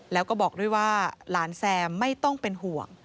แล้วก็บอกด้วยว่าหลานแซมไม่ต้องเป็นห่วง